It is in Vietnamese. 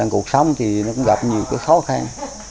cuộc sống thì cũng gặp nhiều khó khăn